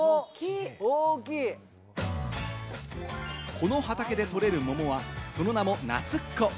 この畑でとれる桃はその名も、なつっこ。